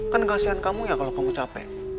kan kasihan kamu ya kalau kamu capek